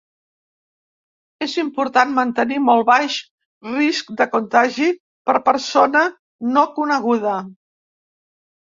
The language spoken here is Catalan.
És important mantenir molt baix risc de contagi per persona no coneguda.